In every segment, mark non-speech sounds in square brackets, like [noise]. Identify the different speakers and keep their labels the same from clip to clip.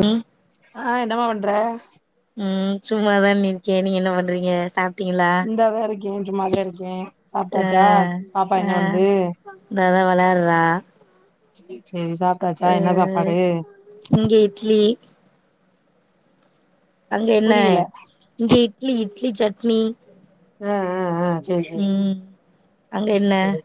Speaker 1: நீ
Speaker 2: ஆஹ் என்னமா பண்ற
Speaker 1: ம்ம் ச்சும்மா தான் அண்ணி இருக்கேன் நீங்க என்ன பண்றீங்க சாப்
Speaker 2: இந்தான்ருக்கேண் நிம்மதியா இருக்கேன்
Speaker 1: ஆ
Speaker 2: சாப்டாச்சா பாப்பா என்ன பண்ணுது
Speaker 1: இந்தாத விளையாரா
Speaker 2: [unintelligible] சேரி சாப்டாச்சா என்ன சாப்பாடு
Speaker 1: இங்க இட்லி அங்க என்ன
Speaker 2: புரியல
Speaker 1: இங்க இட்லி இட்லி சட்ணி
Speaker 2: ஆஹ் ஆஹ் ஆஹ் சேரி சேரி
Speaker 1: ம் அங்க என்ன
Speaker 2: சேரி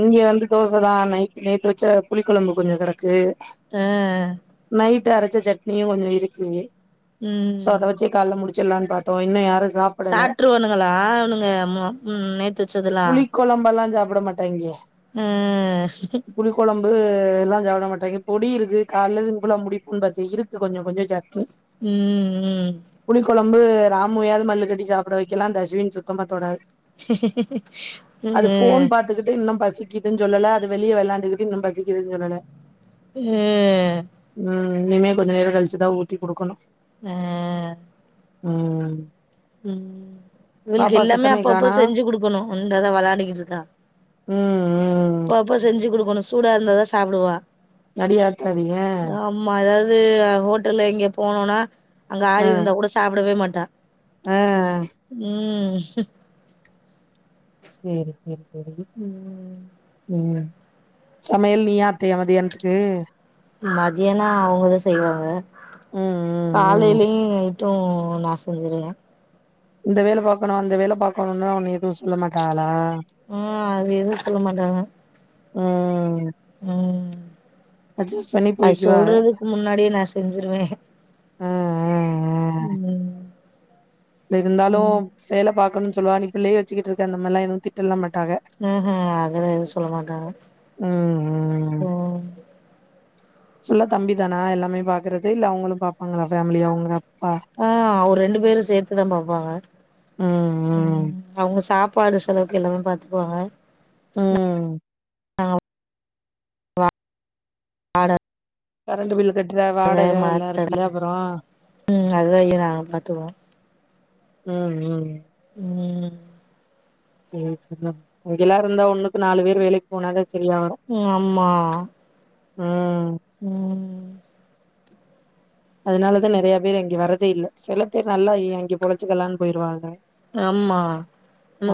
Speaker 2: இங்க வந்து தோசை தான் நைட் நேத்து வச்ச புளி கொழம்பு கொஞ்ச கெடக்கு
Speaker 1: ஆஹ்ஹ
Speaker 2: அரைச்ச சட்னியும் கொஞ்ச இருக்கு சோ
Speaker 1: ம்
Speaker 2: அத வச்சே கால்ல முடிச் ல்லான்னு பாத்தோ இன்ன யாரு சாப்படல
Speaker 1: சாட்டுவானுங்களா அவனுங்க உ நேத்து வச்சதுலா
Speaker 2: குழம்பெல்லாம் சாப்பிடமாட்டனு ங்கே
Speaker 1: உம்
Speaker 2: ரொ இதெல்லா சாப்பட மாட்டாங்க பொடி இருக்கு கால சிம்புல முடிப்புன்னு பாத்தி இருக்கு கொஞ்ச கொஞ்ச சட்னி
Speaker 1: உம் உம்
Speaker 2: ரம்பு ராமுவயாவது மல்லு கட்டி சாப்பிட வைக்கலா இந்த அஸ்விங் சுத்தமாதோடது
Speaker 1: ஆஹா ஹ
Speaker 2: அது போன் பாத்துக்கிட்டு இன்னு பசிக் பசிக்குதுனு சொல்லல அது வெளிய விளாண்டுட்டு இன்னும் பசக்குதுன்ன சொல்லல
Speaker 1: உம்
Speaker 2: ம் இனிமே கொஞ்ச நேர கழிச்சி உத்தி கொடுக்கணு
Speaker 1: ஆஹ்ஹ்
Speaker 2: உம் உம்
Speaker 1: உம் இவளுக்கு எல்லாமே அப்பப்ப
Speaker 2: காணா
Speaker 1: செஞ்சு கொடுக்கணு வந்தது விளாடி கிட்ருக்க
Speaker 2: உம்
Speaker 1: பாப்பா செஞ்சு கொடு ஒன்னு சூடா இருந்தாதா சாப்பிடுவா
Speaker 2: தனியாயிருகதிங்க
Speaker 1: இது ஹோட்டல்ல இங்க போனுனா அங்க
Speaker 2: ஆ
Speaker 1: ஆரி இருந்தா கூட சாப்பிடவே மாட் த
Speaker 2: ஆ
Speaker 1: உம் ம்
Speaker 2: செரி சரி சரி
Speaker 1: ம்
Speaker 2: உம் சமையல் நீயா [unintelligible] மதியானத்துக்கு
Speaker 1: மதியானு அவங்கதா செய்வாங்க
Speaker 2: ம் ம் ம்
Speaker 1: காலையிலயும் ட்டோ நான் செய்யிர
Speaker 2: இந்த வேல பாக்கணு அந்த வேல பாக்கணுன்னு உன்ன எதுவு சொல்ல மாட்டாகளா
Speaker 1: உ அது எதுவும் சொல்ல மாட்டாங்க
Speaker 2: ம்
Speaker 1: உம்
Speaker 2: அட்ஜஸ்ட் பண்ணி
Speaker 1: அது
Speaker 2: போய்க்குவாக
Speaker 1: சொல்றதுக்கு முன்னாடியே நா செஞ்சிருவேன்
Speaker 2: ஆ
Speaker 1: உம்
Speaker 2: இருந்தாலும் வேலை பாக் கனு சொல்லுவா நீ பிள்ளைய வச்சுட்டு இருக்க இந்த மாதிரி எல்லாம் எதுவும் திட்டெல்லாம் மாட்
Speaker 1: உம் உம் அது எதுவும் சொல்ல மாட்டாங்க
Speaker 2: ம் ம்
Speaker 1: உம்
Speaker 2: ஃபுல்லா தம்பி தானா எல்லாமே பாக்குறது இல்ல அவங்களும் பாப்பாங்களா ஃபேமிலியா அவங்க
Speaker 1: ஆ அவரு ரெண்டு பேரும் சேர்த்துதான் பாப்பாங்க
Speaker 2: ம் ம்
Speaker 1: உம் அவுங்க சாப் பாட செலவுக்கு எல்லாமே பாத்துப்பாங்க
Speaker 2: உம்
Speaker 1: ஆ வா வாட
Speaker 2: கரெண்ட் பில் கட்
Speaker 1: அது மாத்திரை உம் அது நான் பாத்துகுவேன்
Speaker 2: உம் உம்
Speaker 1: உம்
Speaker 2: செரி செரி இங்கெல்லாம் இருந்தா ஒண்ணுக்கு நாலு பேர் வேலைக்கு போனாதே
Speaker 1: உம் ஆமா
Speaker 2: உம்
Speaker 1: உம் உம்
Speaker 2: அதனாலதான் நிறைய பேர் இங்க வரதே இல்லை சில பேர் நல்லா இங்க பொழைச்சுக்கலாம்னு போயிருவாங்க
Speaker 1: ஆமா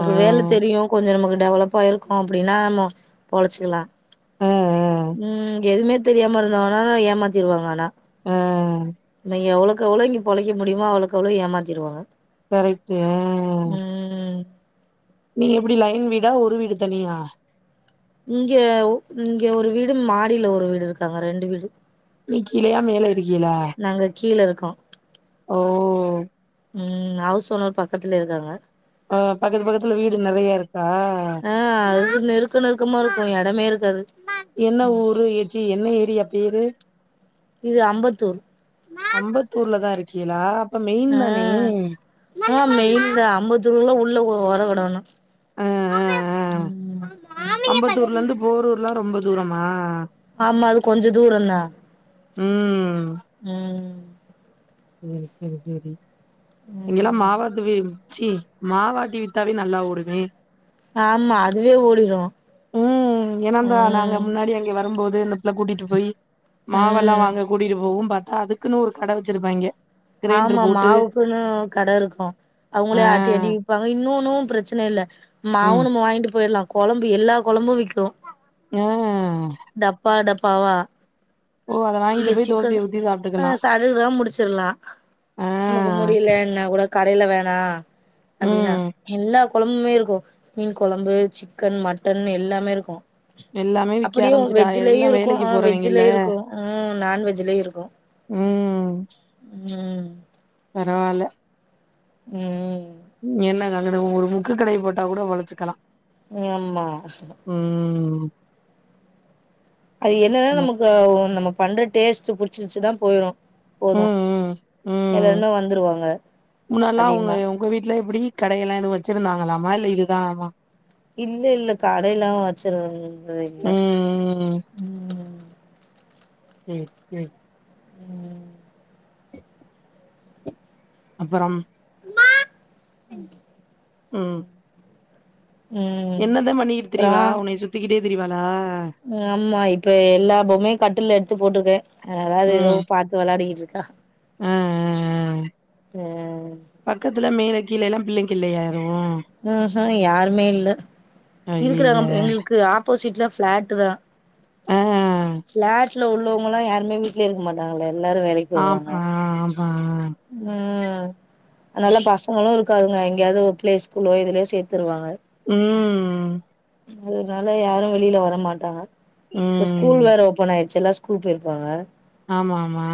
Speaker 2: ஆ
Speaker 1: வேலை தெரியும் கொஞ்சம் நமக்கு டெவலப் ஆகிருக்கும் அப்டின்னா நம்ம பொழைச்சுகெல்லாம்
Speaker 2: ஆ ஆ
Speaker 1: உம் எதுமே தெரியாம இருந்தாங்கனா ஏமாத்திருவாங்க ஆனா
Speaker 2: ஆ
Speaker 1: நம்ம எவ்வளோக்கு எவ்ளோ இங்க பொழைக்க முடியுமோ அவ்வளோக்கு அவ்ளோ ஏமாத்திருவாங்க
Speaker 2: கரெக்ட்டு ஆஹ்
Speaker 1: ம்
Speaker 2: நீ எப்டி லைன் வீடா ஒரு வீடு தனியா
Speaker 1: இங்க இங்க ஒரு வீடு மாடியில ஒரு வீடு இருக்காங்க ரெண்டு வீடு
Speaker 2: நீ கீழையா மேல இருக்
Speaker 1: நாங்க கீழ இருக்கோம்
Speaker 2: ஓவ்
Speaker 1: உம் ஹவுஸ் ஓன்னர் பக்கத்துல இருக்காங்க
Speaker 2: ஆஹ் பக்கத்து பக்கத்துல வீடு நிறைய இருக்கா
Speaker 1: ஆ செரி [unintelligible]
Speaker 2: என்ன ஊரு ஏச்சி என்ன ஏரியா பேரு
Speaker 1: இது அம்பத்தூர்
Speaker 2: அம்பத்தூர்லதா இரு கீலா
Speaker 1: ஆஹ் மெயின் தா அம்பதூர்ல உள்ள ஓரகடோனு
Speaker 2: அஹ் அஹ் அஹ் அம்பத்தூர்ல இருந்து போரூர்லா ரொம்ப தூரம் ஆஹ்
Speaker 1: ஆமா அது கொஞ்ச தூரந்தா
Speaker 2: உம்
Speaker 1: உம்
Speaker 2: உம் உம் சேரி இங்களெல்லா
Speaker 1: ம்
Speaker 2: மாவாதுவி சி மாவட்டி வித்தாலே நல்லா ஓடுமே
Speaker 1: ஆமா அதுவே ஓடிரு
Speaker 2: ம்
Speaker 1: உம்
Speaker 2: எ இந்தப்புள்ள கூட்டிட்டு போய் மாவல்லா வாங்க கூட்டிட்டு போவும் பா அதுக்குனு ஒரு கட வச்சிருப்பாங்க
Speaker 1: ஆமா மாவுக்குன்னு கடயிருக்கும்
Speaker 2: ஆ
Speaker 1: அவுங்ளே ஆட்டி ஆட்டி விப்பாங்க இன்னு ன்னு பிரச்சன இல்ல
Speaker 2: ம்
Speaker 1: மாவுனும் மா வாங்கிட்டு போய்டு லாம் கொழம்பு எல்லா கொழம்பு விக்கும்
Speaker 2: ஆ
Speaker 1: டப்பா டப் பவா
Speaker 2: ஓ அத
Speaker 1: இங்க
Speaker 2: வாங்கிட்டு போய்
Speaker 1: சிக்குனு
Speaker 2: தோசைய ஊத்தி சாப்ட்டுக்கலா
Speaker 1: ஆஹ் சரிரா முடிச்சிலா
Speaker 2: ஆ
Speaker 1: நமக்கு முடியல என்ன கூட கடையில வேணா அப்டின்னா
Speaker 2: ம்
Speaker 1: எல்லா கொழம்முமே இருக்கு மீன் கொழம்பு சிக்கன் மட்டன் எல்லாமே இருக்கு
Speaker 2: எல்லாமே விக்க
Speaker 1: அப்டியு
Speaker 2: ஆரம்பிச்சுட்டா
Speaker 1: வெஜ்ஜிலயு
Speaker 2: எல்லா
Speaker 1: இருக்கு
Speaker 2: வேலைக்கு
Speaker 1: ஆஹ்
Speaker 2: போறவைங்கல்ல
Speaker 1: வெஜ்ஜிலயு இருக்கு உம் நான்வெஜ்ஜிலயு இருக்கு
Speaker 2: ம்
Speaker 1: உம்
Speaker 2: பரவால
Speaker 1: உம்
Speaker 2: என்ன கா இங்கன ஒரு முக்கு கடைய போட்டா கூட உழச்சுக்கலா
Speaker 1: ஆமா
Speaker 2: ம்
Speaker 1: அது என்னன்னா
Speaker 2: ம்
Speaker 1: நமக்கு ஓ நம்ம பண்ற டேஸ்ட்டு புடி சச்சிச்தான் போயிரும்
Speaker 2: ம் ம் ம் ம்
Speaker 1: வந்துருவாங்க
Speaker 2: முன்னல்லாம் உங்க
Speaker 1: அதிகமா
Speaker 2: உங்க வீட்ல எப்டி கடையெல்லாம் வச்சிருந்தாங்களா [unintelligible] இதுதான்
Speaker 1: இல்ல இல்ல கடைல்லாவச்சரு [unintelligible] அ இல்ல
Speaker 2: ம்
Speaker 1: ம்
Speaker 2: ம் ம்
Speaker 1: ம்
Speaker 2: அப்பறம்
Speaker 1: மா
Speaker 2: ம்
Speaker 1: ம்
Speaker 2: என்னதான் பண்ணிக்கிட்டு திரிவா உனையே சுத்திக்கிட்டே திரிவாலா
Speaker 1: ம் ஆம்மா இப்ப எல்லாபொம்மையும் கட்டில்ல த்து போட்டிருக்கே அதனால தான் அது ஏதோ பாத்து விலாடிட்டுயிருக்கு க ஹ
Speaker 2: ஹ ஹ
Speaker 1: ம்
Speaker 2: பக்கத்துல மேலைக் கிலல்லாம் பிள்ளைகில்லையா
Speaker 1: ஹுஹூம் யாருமே இல்ல
Speaker 2: அய்யய்ய
Speaker 1: இருக்கறுங்க எங்ளுக்கு அப்போசிட்ல பிளாட் தான்
Speaker 2: ஆ
Speaker 1: பிளாட்ல உள்ளவங்கலாம் யாருமே வீட்ல இருக்க மாட்டாங்களே எல்லாரும் வேலைக்கு போயிருவாங்க
Speaker 2: ஆமா ஆமா.
Speaker 1: ம் ஹ அதுனால பசங்களும் இருக் க்காருங்க எங்கயாவது ஒரு பிளேஸ் புள்ளைய இதுலயே சேத்துருவாங்க
Speaker 2: ம்
Speaker 1: அதனால யாரும் வெளியில வர மாட்டாங்க இப்ப ஸ்கூல்
Speaker 2: ம்.
Speaker 1: வேற ஓபன் ஆயிருச்சுல்ல கூட்டியிருப்பாங்க
Speaker 2: ஆமா ஆமா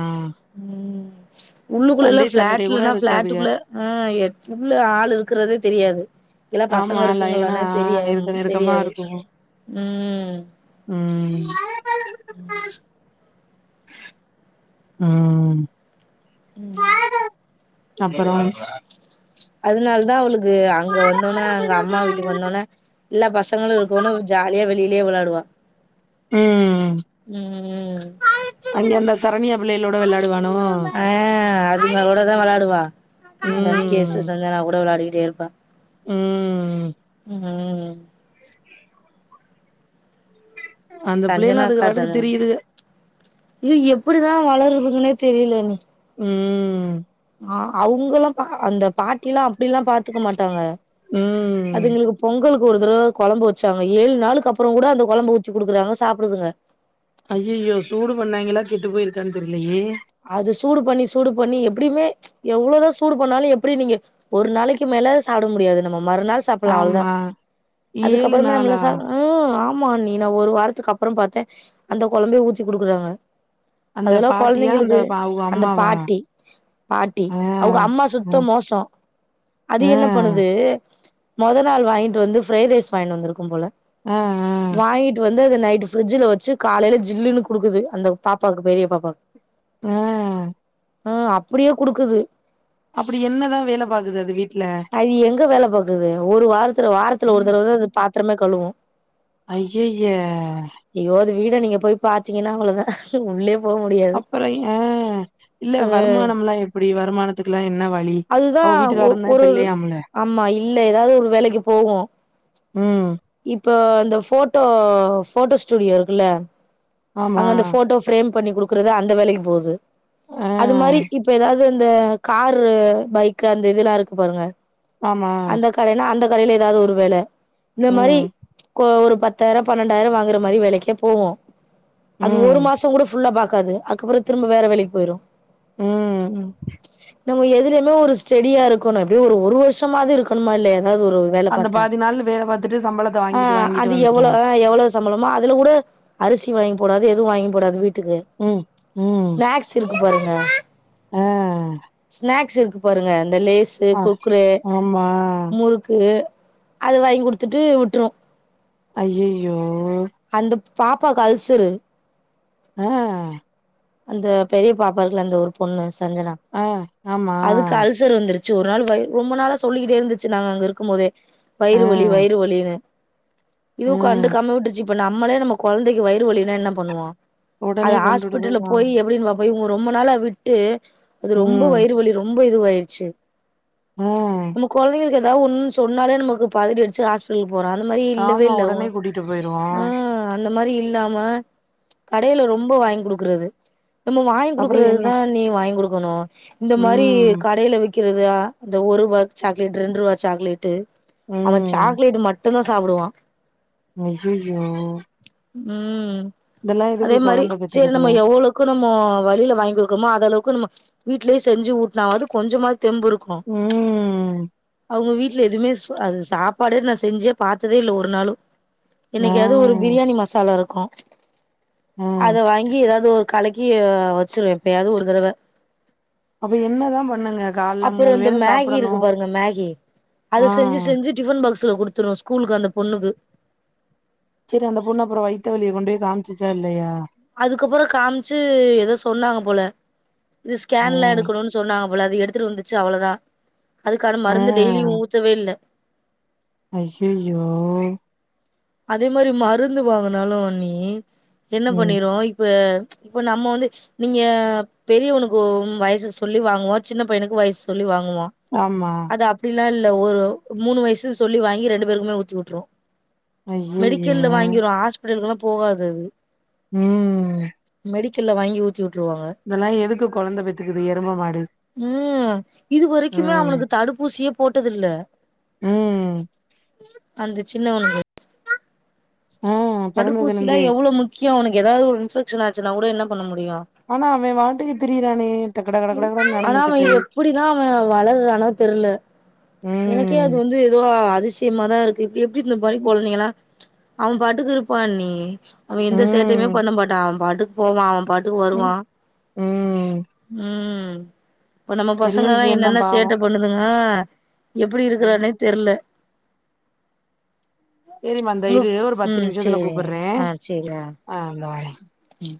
Speaker 1: [inaudible] உள்ளுக்குள்ளலா ஃபிளாட்லனா ஃபிளாட்டுக்குள்ள ஆ எ உள்ள ஆளு இருக்கறதே தெரியாது எல்லா பசங்க
Speaker 2: ஆமால்ல ஏன்னா
Speaker 1: இருக்குங்களானே தெரியா
Speaker 2: நெருக்க நெருக்கமா
Speaker 1: தெரியாது
Speaker 2: இருக்கு
Speaker 1: ம்
Speaker 2: உம் உம்
Speaker 1: உம்
Speaker 2: அப்புறோ
Speaker 1: அதனாலதா அவளுக் கு அங்க வந்தோன்னே அவங்க அம்மா வீட்டுக்கு வந்தோன்னே எல்லா பசங்களு இருக்கவுனு ஜாலியா வெளிய ட்லயே விளையாடுவா
Speaker 2: உம்
Speaker 1: உம்
Speaker 2: அந்த சரண்யா பிள்ளைகளோட வெளாடுவானோ?
Speaker 1: உம் ஆ அதுங்ககூடதா வெளையாடுவா இந்த முகேஷ்
Speaker 2: ம்,
Speaker 1: சஞ்சனா கூட வெளையாடி கேப்பா
Speaker 2: உம்
Speaker 1: உம்
Speaker 2: [inaudible] அந்த பிள்ளைகளு அதுக
Speaker 1: சஞ்சனாக்கா
Speaker 2: பாட்டுக்கு
Speaker 1: சொன்னாங்க
Speaker 2: திரியுதுக.
Speaker 1: ஏ எப்பிடிதா வளருதுகன்னே தெரியிலன்னு
Speaker 2: உம்
Speaker 1: ஆ அவங்கல்லா பா அந்த பாட்டி எல்லா அப்டில்லா பாத்துக்க மாட்டாங்க
Speaker 2: உம்
Speaker 1: அதுங்களுக்கு பொங்கலுக்கு ஒரு தடவ கொழம்பு வச்சாங்க ஏழு நாளுக்கு அப்புறங் கூட அந்த கொழம்பு வச்சு குடுக்குறாங்க சாப்பிடுதுங்க
Speaker 2: ஐயயோ சூடு பண்ணாய்ங்களா கெட்டுப் போயிருக்கான்னு தெரியலையே
Speaker 1: அது சூடு பண்ணி சூடு பண்ணி எப்படியுமே எவ்வளவுதா சூடு பண்ணாலு எப்படி நீங்க ஒரு நாளைக்கு மேல சாப்ட முடியாது நம்ம மறுநாள் சாப்படலா அவ்ளவுதா
Speaker 2: ஆமா. ஏழு
Speaker 1: அதுக்கப்புறமா
Speaker 2: நாளா
Speaker 1: நம்மள சா ஆ ஆமா நீ நா ஒரு வாரத்துக்கு அப்புறோ பாத்தே அந்த கொழம்பையே ஊத்தி குடுக்குறாங்க
Speaker 2: அந்த
Speaker 1: அதெல்லா
Speaker 2: பாட்டியா அந்த
Speaker 1: கொழந்தைங்களுக்கு
Speaker 2: ப- அவங்க
Speaker 1: அந்த
Speaker 2: அம்மாவா
Speaker 1: பாட்டி பாட்டி
Speaker 2: ஆ
Speaker 1: அவங்க அம்மா
Speaker 2: ஆ
Speaker 1: சுத்த மோசோ அது என்ன பண்ணுது முதல் நாள் வாங்கிட்டு வந்து ஃப்ரைட் ரைஸ் வாங்கிட்டு வந்திருக்கும் போல
Speaker 2: ஆ ஆ
Speaker 1: வாங்கிட்டு வந்து அது நைட் பிரிட்ஜ்ல வச்சு காலையில ஜில்லுன்னு குடுக்குது அந்த பாப்பாவுக்கு பெரிய பாப்பாக்கு
Speaker 2: ஆஹ்
Speaker 1: ஆஹ் அப்படியே குடுக்குது
Speaker 2: அப்படி என்னதான் வேல பாக்குது அது வீட்டு
Speaker 1: அது எங்க வேல பாக்குது ஒரு வாரத்துல வாரத்துல ஒரு தடவதா பாத்திரமே கழுவோம்
Speaker 2: அய்யய்யா
Speaker 1: வீடா நீங்க போய் பார்த்தீங்கன்னா அவ்வளவுதான் உள்ளே போ முடியாது
Speaker 2: அப்பறம் ஆஹ் இல்ல வருமானம் எ ல்லாம் எப்டி வருமானத் த்துக்கெல்லாம் என்
Speaker 1: அதுதான் ஒரு ஆமா இல்ல ஏதாவது ஒரு வேலைக்கு போகும்
Speaker 2: ம்
Speaker 1: இப்ப இந்த போட்டோ போட்டோ ஸ்டுடியோ இருக்குல்ல
Speaker 2: ஆமா
Speaker 1: அங்க அந்த போட்டோ ஃரேம் பண்ணி குடுக்குறத அந்த வேலைக்கு போகுது
Speaker 2: ஆ
Speaker 1: அது மாரி இப்ப ஏதாவது அது இந்த காரு பைக் அந்த இது எல்லாம் இருக்கு பாருங்க
Speaker 2: ஆமா
Speaker 1: அந்த கடைன்னா அந்த அந்த கடையில ஏதாவது ஒரு வேல இந்த மாரி
Speaker 2: ம்
Speaker 1: ஒரு பத்து பத்தாயிரம் பன்னெண்டாயிரம் வாங்கற மாரி வேலைக்கி போவோம் அது
Speaker 2: ம்
Speaker 1: ஒரு மாசம் கூட ஃபுல்லா பாக் கா இருக்காது அக்கப்பறம் திரும்ப வேற வேலைக்கு போயிரும்
Speaker 2: உம் உம்
Speaker 1: நம்ம எதுல ஒரு ஸ்டடியா இருக்கணும் எப்டியோ ஒரு வருஷமது இருக்கணுமா இல்லைய எதாவது ஒரு வேல
Speaker 2: அந்த
Speaker 1: பார்த்தா
Speaker 2: பாதி நாள் வேல பாத்துட்டு சம்பளத்த வாங்கிட்டு வாங்கிட்டு
Speaker 1: அது
Speaker 2: வந்துருவா
Speaker 1: எவ்ளவு எவ்ளவு சம்பளமோ அதுல கூட அரிசி வாங்கி போடாது எதுவும் வாங்கிப்போடாது வீட் இது
Speaker 2: ம்
Speaker 1: ஸ்நாக்ஸ் இருக் பாருங்க [unintelligible]
Speaker 2: ஆஹ்
Speaker 1: ஸ்நாக்ஸ் இருக்கு பாருங்க இந்த லேஸ்சு குக்குரே
Speaker 2: ஆமா
Speaker 1: முறுக்கு அது வாங்கி குடுத்துட்டு விட்ரும்
Speaker 2: அய்யயோ
Speaker 1: பாப்பாக்கு அல்சரு
Speaker 2: ஆஹ்
Speaker 1: அந்த பெரிய பாப்பா இருக்குல அந்த ஒரு பொண்ணு சஞ்சனா
Speaker 2: ஆஹ் ஆமா
Speaker 1: அதுக்கு அல்சர் வந்துருச் சு ஒரு நாள் வயிறு ரொம்ப நாளா சொல்லிக்கிட்டே இருந்துச்சு நாங்க அங்க இருக்கும் போதே
Speaker 2: ஆ,
Speaker 1: வயிறு வலி வயிறு வலின்னு இன் ஆடியபிள்
Speaker 2: ஆ.
Speaker 1: இதுவும் கண்டுகாம விட்ருச்சி இப்ப நம்மளே நம்ம குழந்தைக்கு வயிறு வலினா என்ன பண்ணுவோம் அது
Speaker 2: உடனே கொண்டுட்டு
Speaker 1: ஹாஸ்பிட்டல்ல
Speaker 2: போயிடுவாங்க.
Speaker 1: போய் எப்டின்னு வா போய் ஒரு ரொம்ப நாளா விட்டு அது ரொம்ப
Speaker 2: ம்,
Speaker 1: வயிறு வலி ரொம் ரொம்ப இதுவாயிடுச்சி
Speaker 2: ஆ.
Speaker 1: நம்ம குழந்தைங்களுக்கு எத்னா எதனா ஒன்னு சொன்னாலே நமக்கு பதிரி அடிடுச்சு ஹாஸ்பிட்டல்க்கு போற அந்த மாரி இல்லவே
Speaker 2: ஆமா,
Speaker 1: இல்ல அவுங்க
Speaker 2: உடனே கூட்டிட்டு
Speaker 1: ஹா
Speaker 2: போயிருவோம்.
Speaker 1: இம் மாரி இல்லாம கடையில ரொம்ப வாங்கி குடுக்குறது நம்ம வாங்கி்
Speaker 2: அப்புறம் என்ன?
Speaker 1: குடுக்கறதுதான் அன்னி வாங்கி கொடு போணும் இந்த மாரி டீ
Speaker 2: ம்,
Speaker 1: கடையில விக் கிற்றதா இந்த ஒரு ரூபா சாக்லேட்டு ரெண்டு ரூபா சாக்லேட்டு அவன்
Speaker 2: ம்.
Speaker 1: சாக்லேட்டு மட் ட்டு்ம் தா சாப்டுவான்
Speaker 2: அய்யய்யோ
Speaker 1: உம் அதே மாரி சேரி
Speaker 2: பெத்துக்குதுக?
Speaker 1: நம்மோ எவ்வளவுக்கு நம்மோ வழியில வாங்கி இருக்கறோமோ அத அளவுக்கு நம்ம வீட்லே செஞ்சு உட் நா வாது கொஞ்சமாச் தெம்பு இருக்கும்
Speaker 2: ம்,
Speaker 1: அவுங்க வீட் வீட்ல எதுமே அது சாப்பாடே நான் செஞ்சே பார்த்ததே இல்ல ஒரு நாளு
Speaker 2: ஆ,
Speaker 1: இன்னைக்கு ஏதோ ஒரு பிரியாணி மசாலா இருக்கும்
Speaker 2: ஆ.
Speaker 1: அத வாங்கி ஏதாது ஒரு கலக்கி வச்சிருவேன் எப்பயாவது ஒரு தடவ
Speaker 2: அப்ப என்னதான் பண்ணுங்க? காலைல
Speaker 1: அப்புறம் வந்து
Speaker 2: வேள
Speaker 1: மேகி இருக்கு
Speaker 2: சாப்பிடணும்.
Speaker 1: பாருங்க மேகி
Speaker 2: ஆ.
Speaker 1: அத செஞ்சி செஞ்சி டிபன் பா க்ஸ்ல குடுத்துரும் ஸ்கூலுக்கு அந்த பொண்ணுக்கு
Speaker 2: சரி அந்த பொண்ணு அப்பறம் வயிற்று வலியை கொண்டு போய் காமிச்சுச்சா இல்லையா
Speaker 1: அதுக்கு அப்புறம் காமிச்சு ஏதோ சொன்னாங்க போல இது
Speaker 2: ஆ,
Speaker 1: ஸ்கேன்ல எடுக்கணும்னு சொன்னா அவ்ளோ அது எடுத்துட்டு வந்துச்சி அவ்ளோதான் அதுகான
Speaker 2: ஆ.
Speaker 1: மருந்து டெய்லியும் ஊத்தவே இல்ல
Speaker 2: அய்யய்யோ
Speaker 1: அதே மாரி மருந்து வாங்கனாலும் அண்ணி என்ன
Speaker 2: ம்.
Speaker 1: பண்ணிரோம் இப்ப இப்போ நம்ம வந்து நீங்க பெரியவனுக்கும் வயசு சொல்லி வாங்குவோம் சின்ன பையனுக்கு வயசு சொல்லி வாங் குவோம்
Speaker 2: ஆமா
Speaker 1: அது அப்டி இல்லல்ல ஒரு மூணு வயசு சொல்லி வாங்கி ரெண்டு பேருக்குமே ஊத்தி விட்டுரும்
Speaker 2: ஐய்யய்ய
Speaker 1: மெடிக்கல்ல வாங்கிரும் ஹாஸ்பிடலுக்கு எல்லா போகாது அது
Speaker 2: உம்
Speaker 1: மெடிக்கல்ல வாங்கி ஊத்திட்டுருவாங்க
Speaker 2: எதுக்கு கொழந்த பெத்துக்குது எரும மாடு
Speaker 1: உம் இதுவரைக்குமே அவனுக்கு தடுப்பூசியே போட்டது இல்ல
Speaker 2: உஹம்
Speaker 1: அந்த சின்ன [unintelligible] த்த
Speaker 2: ம் பிறந்ததுலருந்தே
Speaker 1: தடுப்பூசிலாம் எவ்ளோ முக் கியம் ஏதாது ஒரு இன்ஃபெக்ஷன் ஆச்சுன்னா கூட என்ன பண்ண மு
Speaker 2: ஆனா அவன் வாட்டுக்கு திரிறானே
Speaker 1: ஆனா அவன் எப்டி தான் அவன் வளர்றான்னே தெரில எனக்கே அது
Speaker 2: ம்
Speaker 1: வந்து ஏதோ அதி ஷியமா தான் இருக்கு எப்டி இந்த மாரி கொழந்தைங்களம் அவன் பாட்டுக்கு இருப்பான் அண்ணி அவன் எந்த சேட்டையுமே பண்ண மாட்டான் அவன் பாட்டு போவான்
Speaker 2: உம் உம்
Speaker 1: உம் இப்ப நம்ம பசங்க
Speaker 2: விஷயந்தா
Speaker 1: என்னென்ன
Speaker 2: பாவோ
Speaker 1: சேட்ட பண்ணுதுங்க எப்டி
Speaker 2: ம்
Speaker 1: இருக்கிறானே தெர்ல
Speaker 2: சரிம்மா அந்த
Speaker 1: உங்க
Speaker 2: இரு ஒரு பத்து
Speaker 1: ம்
Speaker 2: நிமிஷத்துல
Speaker 1: சேரிங்க
Speaker 2: கூப்புறேன் ஆஹ் இந்த வாரேன்
Speaker 1: உம்